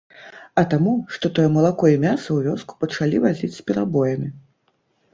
А таму, што тое малако і мяса ў вёску пачалі вазіць з перабоямі.